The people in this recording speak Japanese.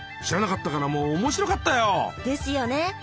知らなかったからもう面白かったよ。ですよね。